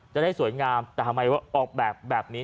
จะได้สวยงามแต่ทำไมว่าออกแบบแบบนี้